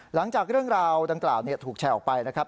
หลังจากเรื่องราวดังกล่าวถูกแชร์ออกไปนะครับ